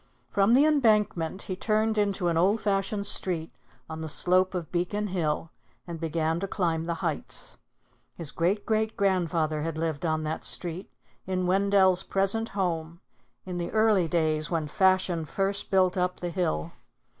From the Embankment, he turned into an old fashioned street on the slope of Beacon Hill, and began to climb the heights. His great great grandfather had lived on that street, in Wendell's present home, in the early days when fashion first built up the Hill.